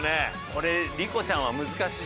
これ莉子ちゃんは難しい。